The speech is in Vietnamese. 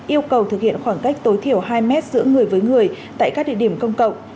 yêu cầu thực hiện khoảng cách tối thiểu hai mét giữa người với người tại các địa điểm công cộng